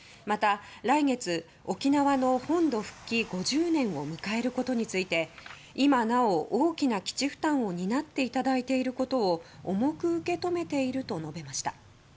また、来月沖縄の本土復帰５０年を迎えることについて今なお大きな基地負担を担っていただいていることを重く受け止めていると述べました。